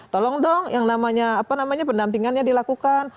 tolong dong yang namanya pendampingannya dilakukan